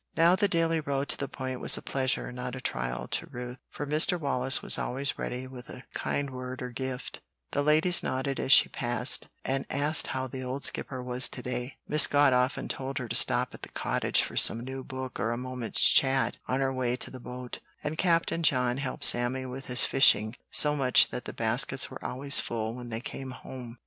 Now the daily row to the Point was a pleasure, not a trial, to Ruth, for Mr. Wallace was always ready with a kind word or gift, the ladies nodded as she passed, and asked how the old Skipper was to day; Miss Scott often told her to stop at the cottage for some new book or a moment's chat on her way to the boat, and Captain John helped Sammy with his fishing so much that the baskets were always full when they came home.